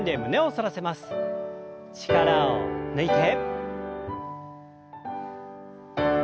力を抜いて。